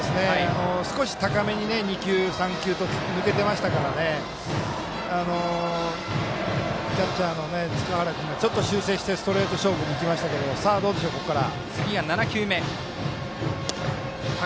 少し高めに２球、３球と抜けていましたからキャッチャーの塚原君がちょっと修正してストレート勝負にいきましたけどどうでしょう、ここから。